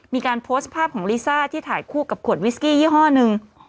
มีการโพสต์ภาพของลิซ่าที่ถ่ายคู่กับขวดวิสกี้ยี่ห้อหนึ่ง